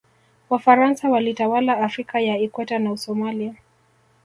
wafaransa walitawala afrika ya ikweta na usomali